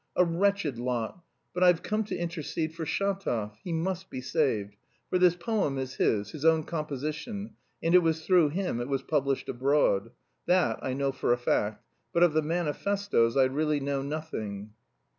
a wretched lot.... But I've come to intercede for Shatov. He must be saved, for this poem is his, his own composition, and it was through him it was published abroad; that I know for a fact, but of the manifestoes I really know nothing."